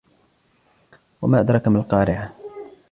وما أدراك ما القارعة